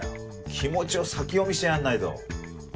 気持ちを先読みしてやんないと。